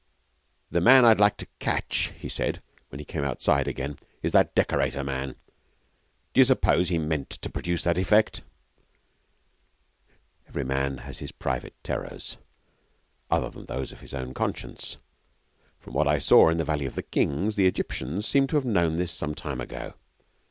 The man I'd like to catch,' he said when he came outside again, 'is that decorator man. D'you suppose he meant to produce that effect?' Every man has his private terrors, other than those of his own conscience. From what I saw in the Valley of the Kings, the Egyptians seem to have known this some time ago.